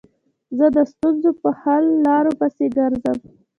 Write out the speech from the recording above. زه د ستونزو په حل لارو پيسي ګرځم.